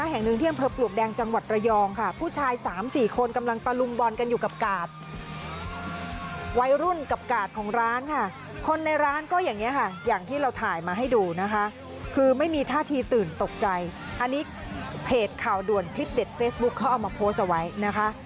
อันนนี้เพจข่าวด่วนคลิปเด็ดเฟซบุ๊กเขาเอามาโพสต์เอาไว้นะคะ